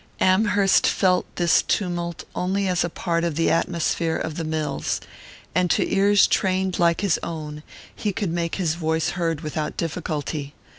Amherst felt this tumult only as part of the atmosphere of the mills; and to ears trained like his own he could make his voice heard without difficulty.